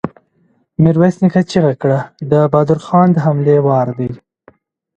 ميرويس نيکه چيغه کړه! د بهادر خان د حملې وار دی!